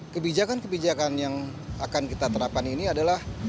kebijakan kebijakan yang akan kita terapkan ini adalah